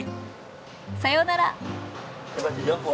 さようなら。